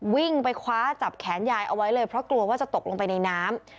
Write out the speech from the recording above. วิ่งไปคว้าจับแขนยายเอาไว้เลยเพราะกลัวว่าจะตกลงไปในน้ำ